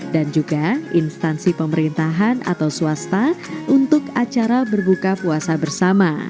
dan juga instansi pemerintahan atau swasta untuk acara berbuka puasa bersama